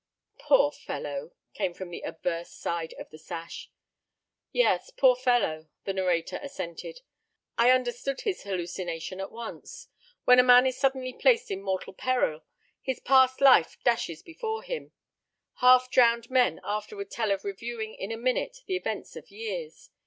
"Poor fellow," came from the obverse side of the sash. "Yes, poor fellow," the narrator assented. "I understood his hallucination at once. When a man is suddenly placed in mortal peril, his past life dashes before him. Half drowned men afterward tell of reviewing in a minute the events of years.